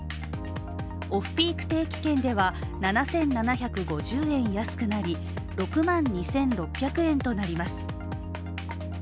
オフピーク定期券では７７５０円安くなり６万２６００円となります。